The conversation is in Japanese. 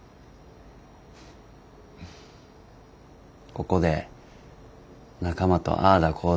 ここで仲間とああだこうだ